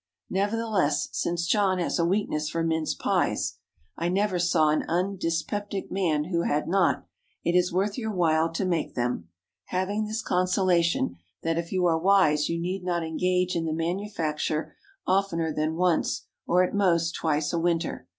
Nevertheless, since John has a weakness for mince pies (I never saw an un dyspeptic man who had not), it is worth your while to make them, having this consolation, that if you are wise you need not engage in the manufacture oftener than once, or at most, twice a winter.